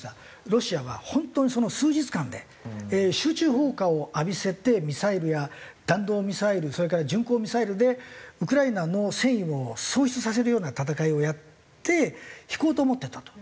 ロシアは本当にその数日間で集中砲火を浴びせてミサイルや弾道ミサイルそれから巡航ミサイルでウクライナの戦意を喪失させるような戦いをやって引こうと思ってたと。